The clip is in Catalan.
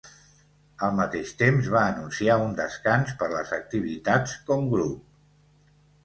Al mateix temps va anunciar un descans per les activitats com grup.